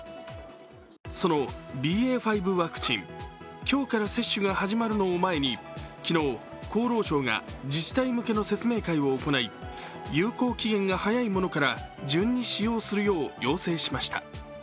そのＢＡ．５ワクチン、今日から接種が始まるのを前に昨日、厚労省が自治体向けの説明会を行い、有効期限が早いものから順に使用するよう要請しました。